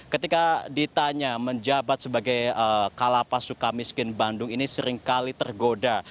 ketika ditanya menjabat sebagai kalapas suka miskin bandung ini seringkali tergoda